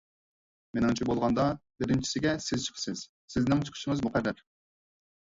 مېنىڭچە بولغاندا، بىرىنچىسىگە سىز چىقىسىز، سىزنىڭ چىقىشىڭىز مۇقەررەر.